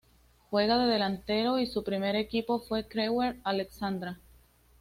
Juega de delantero y su primer equipo fue Crewe Alexandra.